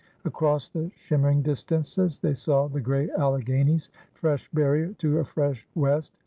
Across the shimmering distances they saw the gray Alleghanies, fresh barrier to a fresh west.